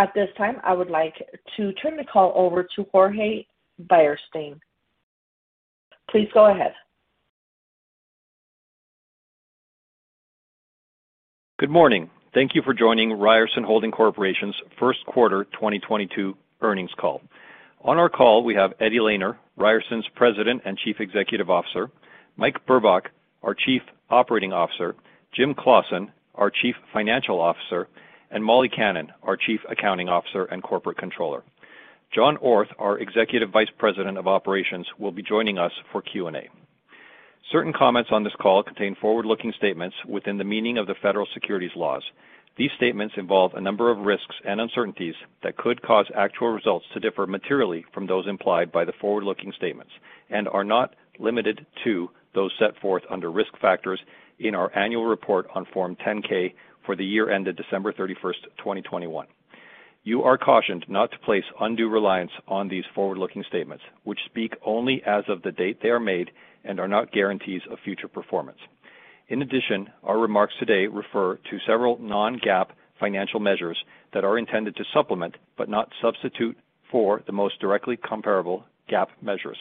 At this time, I would like to turn the call over to Jorge Beristain. Please go ahead. Good morning. Thank you for joining Ryerson Holding Corporation's first quarter 2022 earnings call. On our call, we have Eddie Lehner, Ryerson's President and Chief Executive Officer, Mike Burbach, our Chief Operating Officer, Jim Claussen, our Chief Financial Officer, and Molly Kannan, our Chief Accounting Officer and Corporate Controller. John Orth, our Executive Vice President of Operations, will be joining us for Q&A. Certain comments on this call contain forward-looking statements within the meaning of the Federal securities laws. These statements involve a number of risks and uncertainties that could cause actual results to differ materially from those implied by the forward-looking statements and are not limited to those set forth under risk factors in our annual report on Form 10-K for the year ended December 31, 2021. You are cautioned not to place undue reliance on these forward-looking statements, which speak only as of the date they are made and are not guarantees of future performance. In addition, our remarks today refer to several non-GAAP financial measures that are intended to supplement, but not substitute for, the most directly comparable GAAP measures.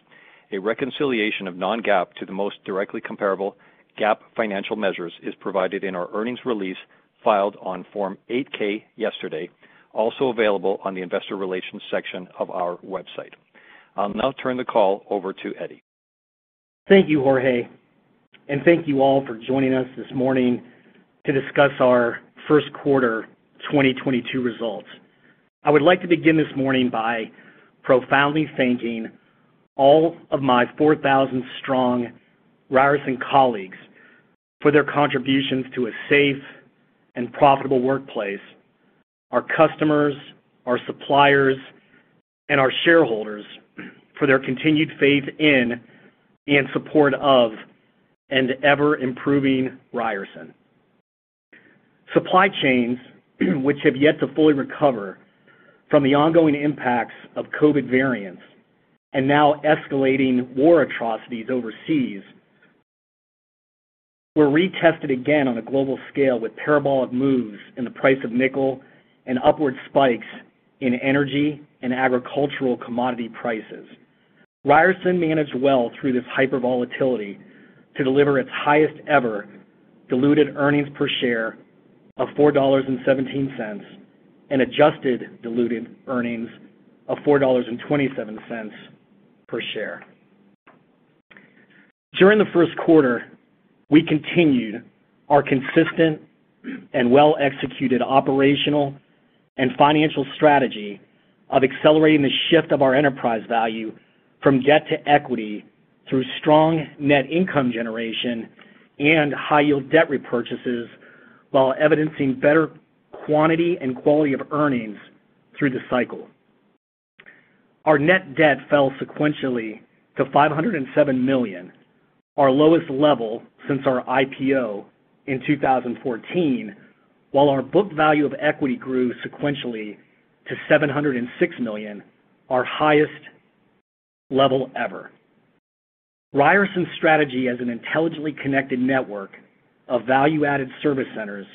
A reconciliation of non-GAAP to the most directly comparable GAAP financial measures is provided in our earnings release filed on Form 8-K yesterday, also available on the investor relations section of our website. I'll now turn the call over to Eddie. Thank you, Jorge, and thank you all for joining us this morning to discuss our first quarter 2022 results. I would like to begin this morning by profoundly thanking all of my 4,000-strong Ryerson colleagues for their contributions to a safe and profitable workplace, our customers, our suppliers, and our shareholders for their continued faith in and support of and ever-improving Ryerson. Supply chains which have yet to fully recover from the ongoing impacts of COVID variants and now escalating war atrocities overseas were retested again on a global scale with parabolic moves in the price of nickel and upward spikes in energy and agricultural commodity prices. Ryerson managed well through this hypervolatility to deliver its highest ever diluted earnings per share of $4.17, and adjusted diluted earnings of $4.27 per share. During the first quarter, we continued our consistent and well-executed operational and financial strategy of accelerating the shift of our enterprise value from debt to equity through strong net income generation and high-yield debt repurchases, while evidencing better quantity and quality of earnings through the cycle. Our net debt fell sequentially to $507 million, our lowest level since our IPO in 2014, while our book value of equity grew sequentially to $706 million, our highest level ever. Ryerson's strategy as an intelligently connected network of value-added service centers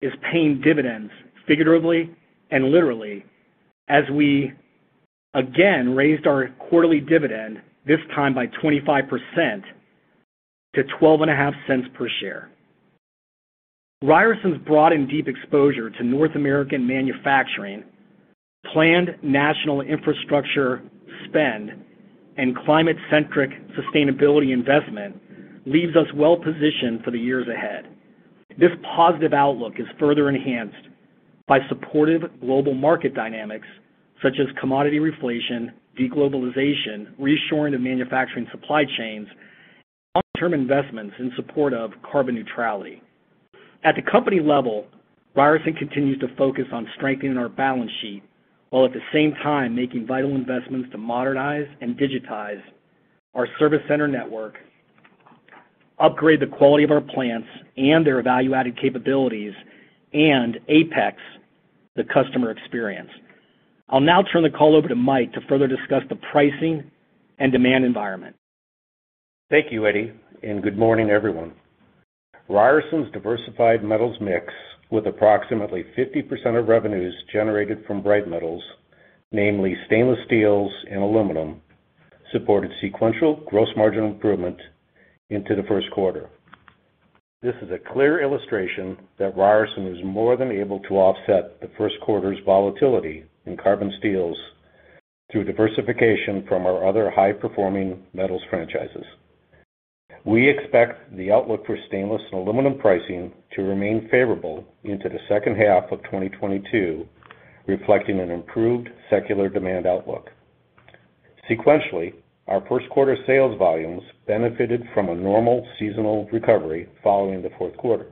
is paying dividends figuratively and literally as we again raised our quarterly dividend, this time by 25% to $0.125 per share. Ryerson's broad and deep exposure to North American manufacturing, planned national infrastructure spend, and climate-centric sustainability investment leaves us well-positioned for the years ahead. This positive outlook is further enhanced by supportive global market dynamics such as commodity reflation, de-globalization, reshoring of manufacturing supply chains, and long-term investments in support of carbon neutrality. At the company level, Ryerson continues to focus on strengthening our balance sheet while at the same time making vital investments to modernize and digitize our service center network, upgrade the quality of our plants and their value-added capabilities, and apex the customer experience. I'll now turn the call over to Mike to further discuss the pricing and demand environment. Thank you, Eddie, and good morning, everyone. Ryerson's diversified metals mix with approximately 50% of revenues generated from bright metals, namely stainless steels and aluminum, supported sequential gross margin improvement into the first quarter. This is a clear illustration that Ryerson was more than able to offset the first quarter's volatility in carbon steels through diversification from our other high-performing metals franchises. We expect the outlook for stainless and aluminum pricing to remain favorable into the second half of 2022, reflecting an improved secular demand outlook. Sequentially, our first quarter sales volumes benefited from a normal seasonal recovery following the fourth quarter.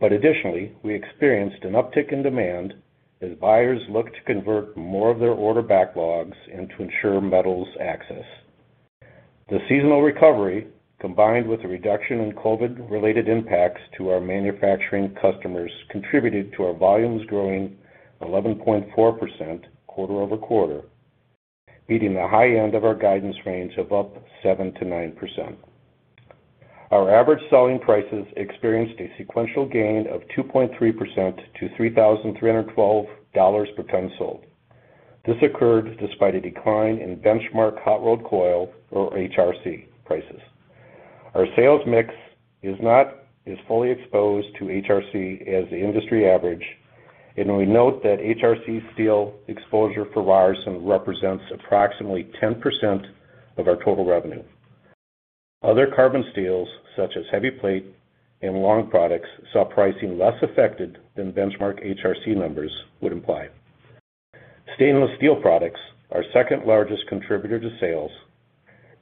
Additionally, we experienced an uptick in demand as buyers looked to convert more of their order backlogs and to ensure metals access. The seasonal recovery, combined with a reduction in COVID-related impacts to our manufacturing customers, contributed to our volumes growing 11.4% quarter-over-quarter, beating the high end of our guidance range of up 7%-9%. Our average selling prices experienced a sequential gain of 2.3% to $3,312 per ton sold. This occurred despite a decline in benchmark hot-rolled coil, or HRC, prices. Our sales mix is not as fully exposed to HRC as the industry average, and we note that HRC steel exposure for Ryerson represents approximately 10% of our total revenue. Other carbon steels, such as heavy plate and long products, saw pricing less affected than benchmark HRC numbers would imply. Stainless steel products, our second-largest contributor to sales,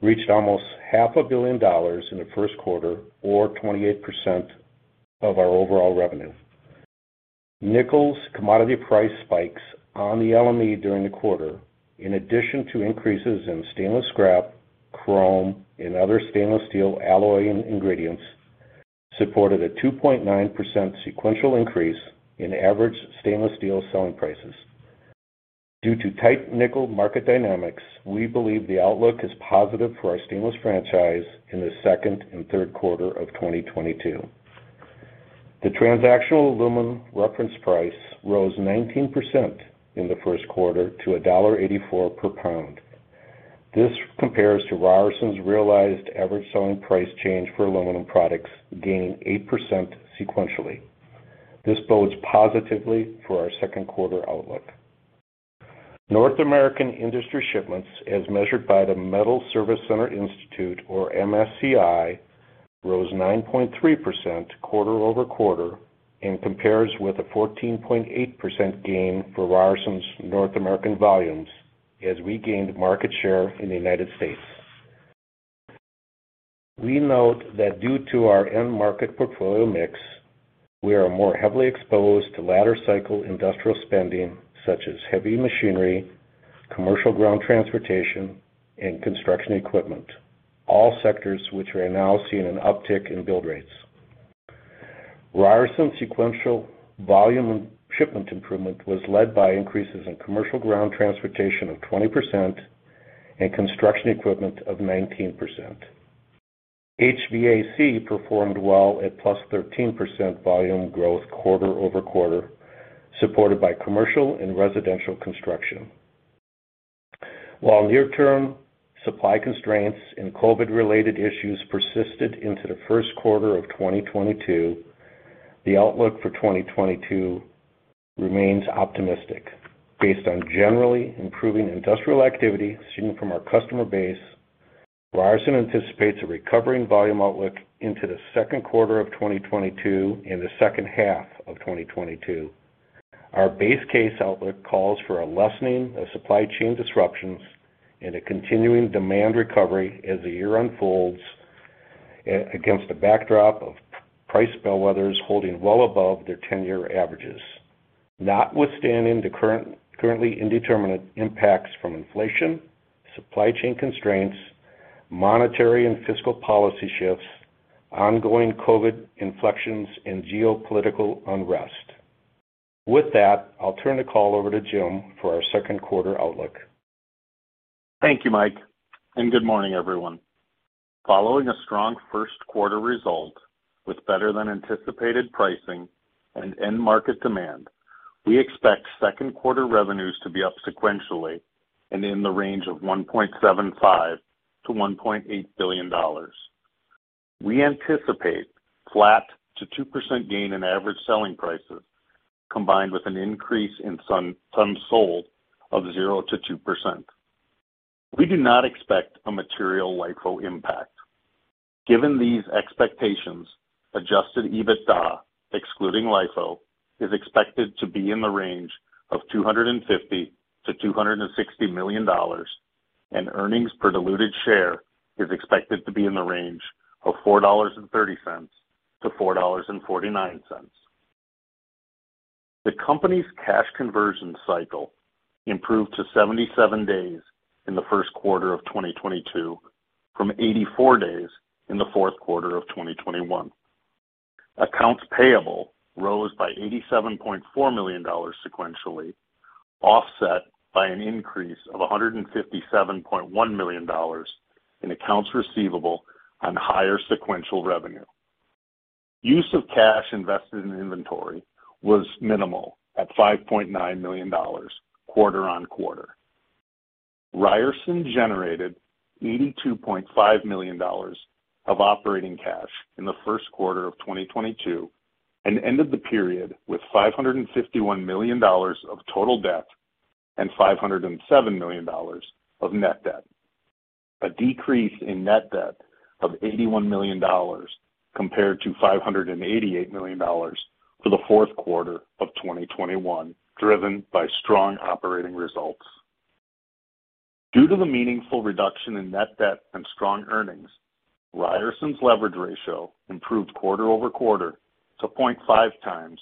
reached almost half a billion dollars in the first quarter, or 28% of our overall revenue. Nickel's commodity price spikes on the LME during the quarter, in addition to increases in stainless scrap, chrome, and other stainless steel alloy ingredients, supported a 2.9% sequential increase in average stainless steel selling prices. Due to tight nickel market dynamics, we believe the outlook is positive for our stainless franchise in the second and third quarter of 2022. The transactional aluminum reference price rose 19% in the first quarter to $1.84 per pound. This compares to Ryerson's realized average selling price change for aluminum products gaining 8% sequentially. This bodes positively for our second quarter outlook. North American industry shipments, as measured by the Metals Service Center Institute, or MSCI, rose 9.3% quarter-over-quarter and compares with a 14.8% gain for Ryerson's North American volumes as we gained market share in the United States. We note that due to our end market portfolio mix, we are more heavily exposed to latter cycle industrial spending, such as heavy machinery, commercial ground transportation, and construction equipment, all sectors which are now seeing an uptick in build rates. Ryerson's sequential volume and shipment improvement was led by increases in commercial ground transportation of 20% and construction equipment of 19%. HVAC performed well at +13% volume growth quarter-over-quarter, supported by commercial and residential construction. While near-term supply constraints and COVID-related issues persisted into the first quarter of 2022, the outlook for 2022 remains optimistic based on generally improving industrial activity seen from our customer base. Ryerson anticipates a recovering volume outlook into the second quarter of 2022 and the second half of 2022. Our base case outlook calls for a lessening of supply chain disruptions and a continuing demand recovery as the year unfolds against the backdrop of price bellwethers holding well above their ten-year averages, notwithstanding the currently indeterminate impacts from inflation, supply chain constraints, monetary and fiscal policy shifts, ongoing COVID inflections, and geopolitical unrest. With that, I'll turn the call over to Jim for our second quarter outlook. Thank you, Mike, and good morning, everyone. Following a strong first quarter result with better than anticipated pricing and end market demand, we expect second quarter revenues to be up sequentially and in the range of $1.75 billion-$1.8 billion. We anticipate flat to 2% gain in average selling prices combined with an increase in tons sold of 0%-2%. We do not expect a material LIFO impact. Given these expectations, adjusted EBITDA, excluding LIFO, is expected to be in the range of $250 million-$260 million, and earnings per diluted share is expected to be in the range of $4.30-$4.49. The company's cash conversion cycle improved to 77 days in the first quarter of 2022 from 84 days in the fourth quarter of 2021. Accounts payable rose by $87.4 million sequentially, offset by an increase of $157.1 million in accounts receivable on higher sequential revenue. Use of cash invested in inventory was minimal, at $5.9 million quarter on quarter. Ryerson generated $82.5 million of operating cash in the first quarter of 2022 and ended the period with $551 million of total debt and $507 million of net debt, a decrease in net debt of $81 million compared to $588 million for the fourth quarter of 2021, driven by strong operating results. Due to the meaningful reduction in net debt and strong earnings, Ryerson's leverage ratio improved quarter-over-quarter to 0.5 times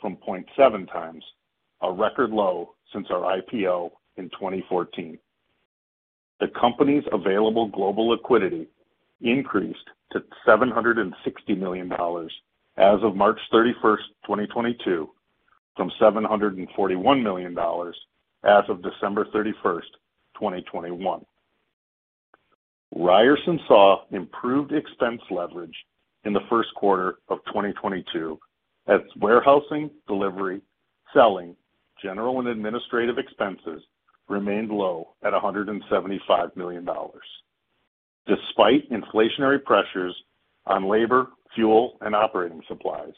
from 0.7 times, a record low since our IPO in 2014. The company's available global liquidity increased to $760 million as of March 31, 2022, from $741 million as of December 31, 2021. Ryerson saw improved expense leverage in the first quarter of 2022 as warehousing, delivery, selling, general and administrative expenses remained low at $175 million. Despite inflationary pressures on labor, fuel, and operating supplies,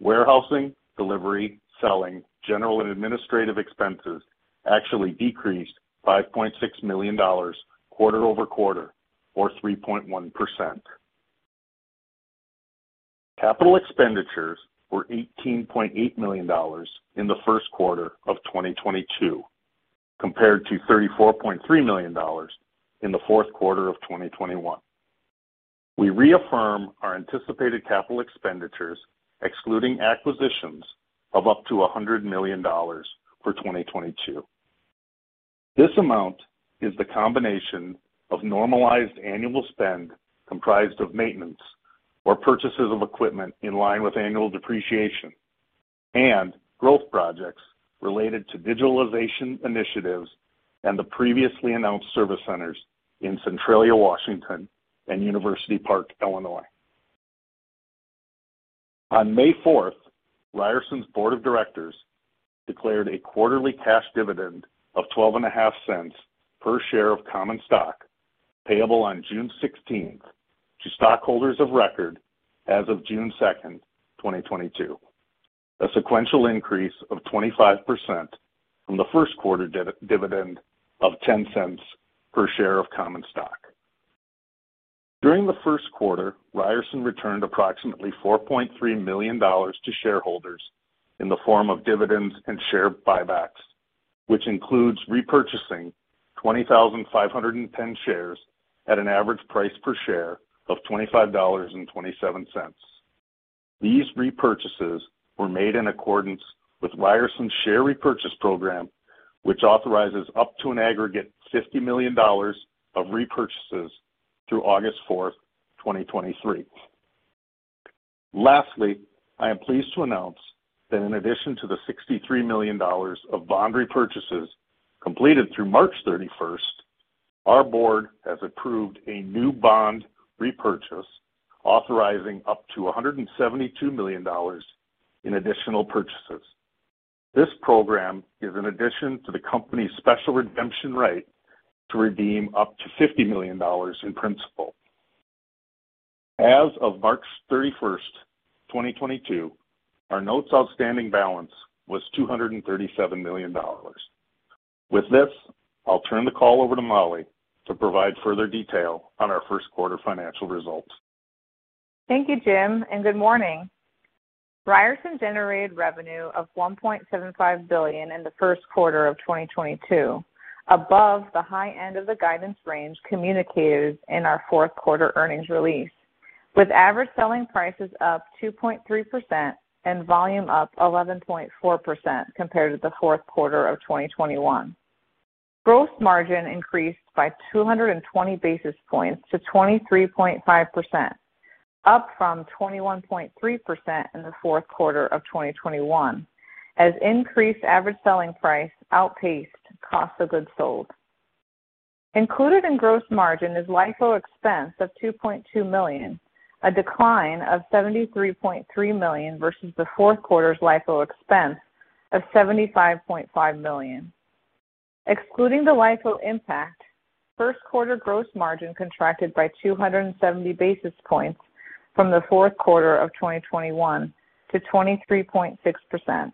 warehousing, delivery, selling, general and administrative expenses actually decreased $5.6 million quarter-over-quarter, or 3.1%. Capital expenditures were $18.8 million in the first quarter of 2022, compared to $34.3 million in the fourth quarter of 2021. We reaffirm our anticipated capital expenditures, excluding acquisitions of up to $100 million for 2022. This amount is the combination of normalized annual spend comprised of maintenance or purchases of equipment in line with annual depreciation and growth projects related to digitalization initiatives and the previously announced service centers in Centralia, Washington and University Park, Illinois. On May 4, Ryerson's board of directors declared a quarterly cash dividend of $0.125 per share of common stock payable on June 16 to stockholders of record as of June 2, 2022. A sequential increase of 25% from the first quarter dividend of $0.10 per share of common stock. During the first quarter, Ryerson returned approximately $4.3 million to shareholders in the form of dividends and share buybacks, which includes repurchasing 20,510 shares at an average price per share of $25.27. These repurchases were made in accordance with Ryerson's share repurchase program, which authorizes up to an aggregate $50 million of repurchases through August 4, 2023. Lastly, I am pleased to announce that in addition to the $63 million of bond repurchases completed through March 31, our board has approved a new bond repurchase authorizing up to a $172 million in additional purchases. This program is an addition to the company's special redemption right to redeem up to $50 million in principal. As of March 31, 2022, our notes outstanding balance was $237 million. With this, I'll turn the call over to Molly to provide further detail on our first quarter financial results. Thank you, Jim, and good morning. Ryerson generated revenue of $1.75 billion in the first quarter of 2022, above the high end of the guidance range communicated in our fourth quarter earnings release. With average selling prices up 2.3% and volume up 11.4% compared to the fourth quarter of 2021. Gross margin increased by 220 basis points to 23.5%, up from 21.3% in the fourth quarter of 2021. As increased average selling price outpaced cost of goods sold. Included in gross margin is LIFO expense of $2.2 million, a decline of $73.3 million versus the fourth quarter's LIFO expense of $75.5 million. Excluding the LIFO impact, first quarter gross margin contracted by 270 basis points from the fourth quarter of 2021 to 23.6%.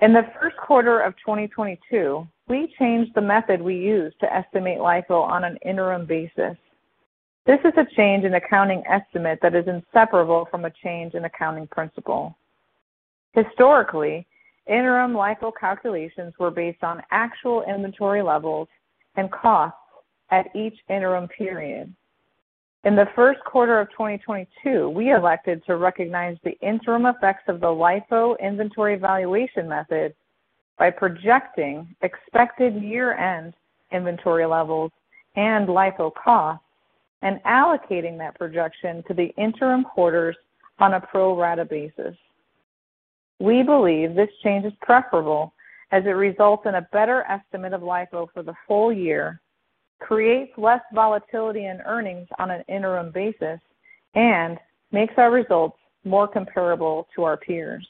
In the first quarter of 2022, we changed the method we use to estimate LIFO on an interim basis. This is a change in accounting estimate that is inseparable from a change in accounting principle. Historically, interim LIFO calculations were based on actual inventory levels and costs at each interim period. In the first quarter of 2022, we elected to recognize the interim effects of the LIFO inventory valuation method by projecting expected year-end inventory levels and LIFO costs and allocating that projection to the interim quarters on a pro rata basis. We believe this change is preferable as it results in a better estimate of LIFO for the full year, creates less volatility in earnings on an interim basis, and makes our results more comparable to our peers.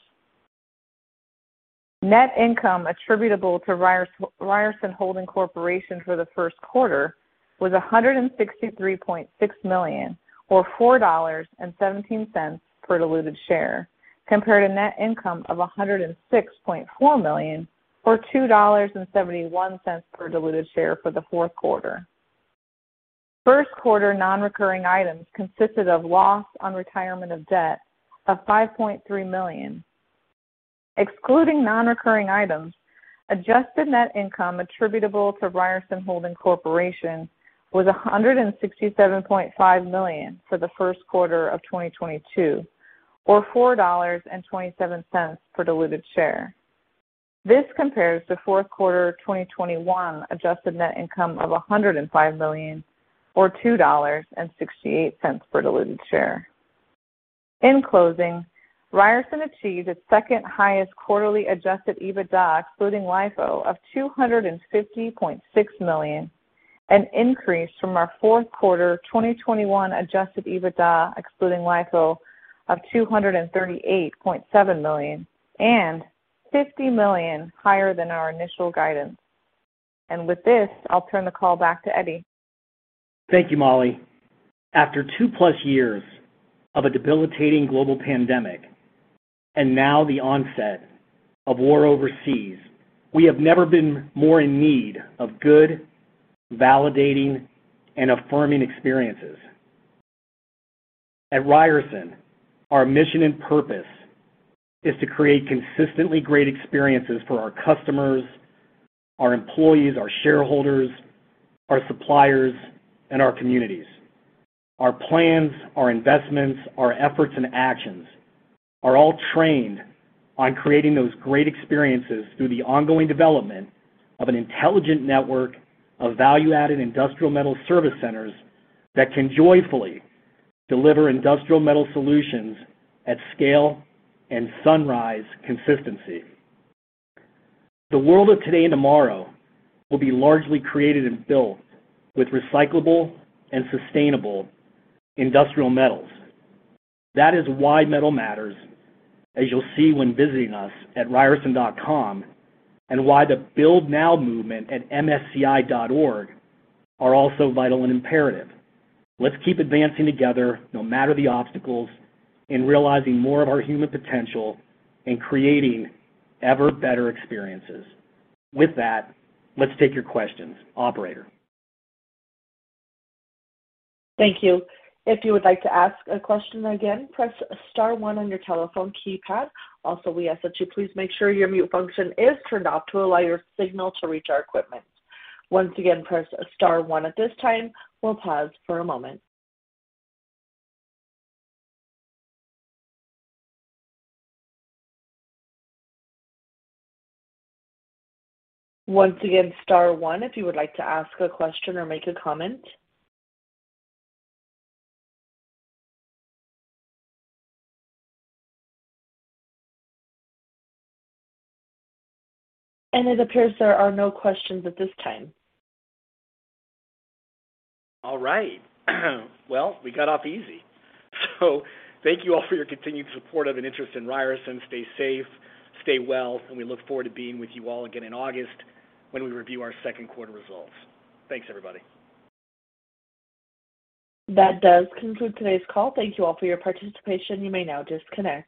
Net income attributable to Ryerson Holding Corporation for the first quarter was $163.6 million or $4.17 per diluted share, compared to net income of $106.4 million or $2.71 per diluted share for the fourth quarter. First quarter non-recurring items consisted of loss on retirement of debt of $5.3 million. Excluding non-recurring items, adjusted net income attributable to Ryerson Holding Corporation was $167.5 million for the first quarter of 2022 or $4.27 per diluted share. This compares to fourth quarter 2021 adjusted net income of $105 million or $2.68 per diluted share. In closing, Ryerson achieved its second highest quarterly adjusted EBITDA excluding LIFO of $250.6 million, an increase from our fourth quarter 2021 adjusted EBITDA excluding LIFO of $238.7 million and $50 million higher than our initial guidance. With this, I'll turn the call back to Eddie. Thank you, Molly. After two-plus years of a debilitating global pandemic and now the onset of war overseas, we have never been more in need of good, validating, and affirming experiences. At Ryerson, our mission and purpose is to create consistently great experiences for our customers, our employees, our shareholders, our suppliers, and our communities. Our plans, our investments, our efforts, and actions are all trained on creating those great experiences through the ongoing development of an intelligent network of value-added industrial metal service centers that can joyfully deliver industrial metal solutions at scale and sunrise consistency. The world of today and tomorrow will be largely created and built with recyclable and sustainable industrial metals. That is why metal matters, as you'll see when visiting us at ryerson.com, and why the Build Now movement at msci.org are also vital and imperative. Let's keep advancing together, no matter the obstacles, in realizing more of our human potential and creating ever better experiences. With that, let's take your questions. Operator. Thank you. If you would like to ask a question, again, press *1 on your telephone keypad. Also, we ask that you please make sure your mute function is turned off to allow your signal to reach our equipment. Once again, press *1 at this time. We'll pause for a moment. Once again, star one if you would like to ask a question or make a comment. It appears there are no questions at this time. All right. Well, we got off easy. Thank you all for your continued support and interest in Ryerson. Stay safe, stay well, and we look forward to being with you all again in August when we review our second quarter results. Thanks, everybody. That does conclude today's call. Thank you all for your participation. You may now disconnect.